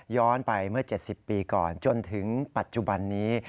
ไปเมื่อ๗๐ปีก่อนจนถึงปัจจุบันนี้